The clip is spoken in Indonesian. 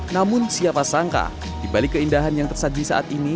namun siapa sangka dibalik keindahan yang tersaji saat ini